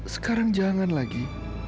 sekarang jangan lagi